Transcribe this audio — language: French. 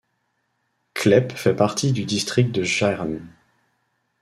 Klepp fait partie du district de Jæren.